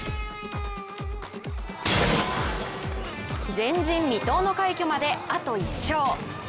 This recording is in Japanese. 前人未到の快挙まであと１勝。